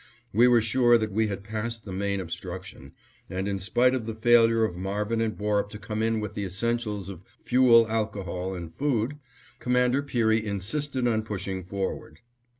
We were sure that we had passed the main obstruction, and in spite of the failure of Marvin and Borup to come in with the essentials of fuel alcohol and food, Commander Peary insisted on pushing forward.